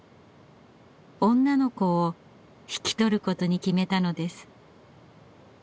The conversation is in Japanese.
女の子を引き取ることに決めたのです。